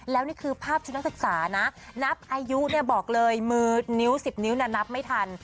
แล้วนี่คือภาพชุดนักศึกษานะนับอายุเนี่ยบอกเลยมือนิ้ว๑๐นิ้วน่ะนับไม่ทัน